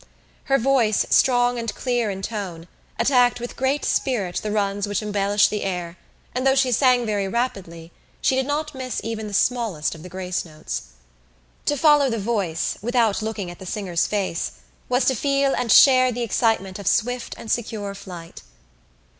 Her voice, strong and clear in tone, attacked with great spirit the runs which embellish the air and though she sang very rapidly she did not miss even the smallest of the grace notes. To follow the voice, without looking at the singer's face, was to feel and share the excitement of swift and secure flight.